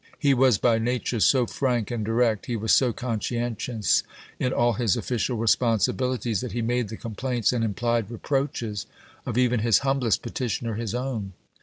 He was by nature so frank "' and direct, he was so conscientious in all his oflSeial responsibilities, that he made the complaints and implied reproaches of even his humblest petitioner his own.